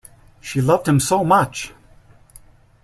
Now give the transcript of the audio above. She loved him so much!